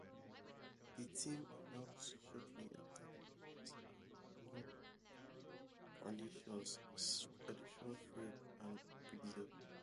The team announced shortly after the winners and new additions-Sabre and Pixxel.